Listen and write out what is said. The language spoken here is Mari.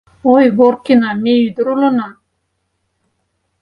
Ой, Горкина, ме ӱдыр улына?!